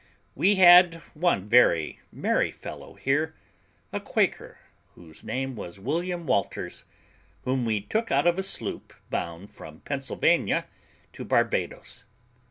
We had one very merry fellow here, a Quaker, whose name was William Walters, whom we took out of a sloop bound from Pennsylvania to Barbados.